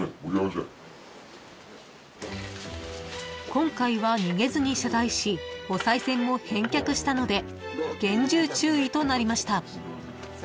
［今回は逃げずに謝罪しおさい銭も返却したので厳重注意となりました］